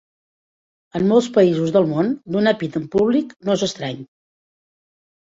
En molts països del món, donar pit en públic no és estrany.